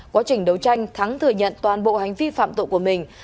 quá trình đấu tranh thắng thừa nhận toàn bộ hành vi phạm tội của mình